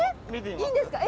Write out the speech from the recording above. いいんですか？